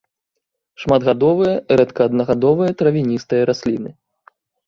Шматгадовыя, рэдка аднагадовыя, травяністыя расліны.